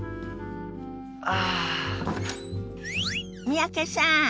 三宅さん